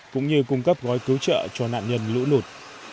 cũng như cung cấp gói cứu trợ cho nạn nhân lũ lụt